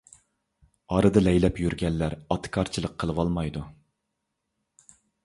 ئارىدا لەيلەپ يۈرگەنلەر ئاتىكارچىلىق قىلىۋالمايدۇ.